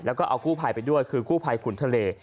แล้วก็เอากู้ภัยไปด้วยคือกู้ภัยขุนทะเล